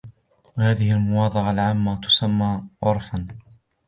وَهَذِهِ الْمُوَاضَعَةُ الْعَامَّةُ تُسَمَّى عُرْفًا